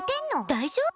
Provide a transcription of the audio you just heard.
大丈夫？